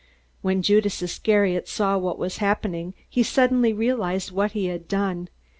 When Judas Iscariot saw what was happening, he suddenly realized what he had done.